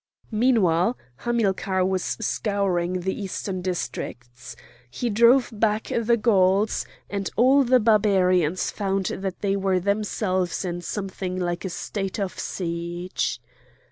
Meanwhile Hamilcar was scouring the eastern districts. He drove back the Gauls, and all the Barbarians found that they were themselves in something like a state of siege.